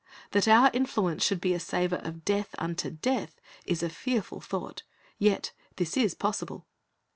That our influence should be a savor of death unto death is a fearful thought; yet this is possible.